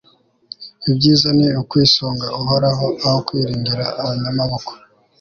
ibyiza ni ukwisunga uhoraho, aho kwiringira abanyamaboko